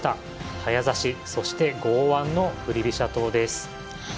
早指しそして剛腕の振り飛車党です。